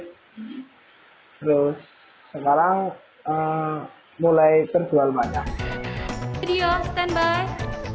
terus sekarang mulai terjual banyak